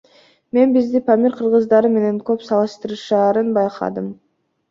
Мен бизди Памир кыргыздары менен көп салыштырышаарын байкадым.